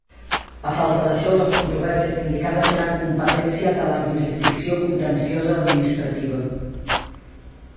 A falta d'això, les controvèrsies indicades seran competència de la jurisdicció contenciosa administrativa.